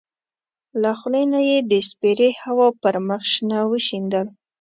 له خولې نه یې د سپېرې هوا پر مخ شنه وشیندل.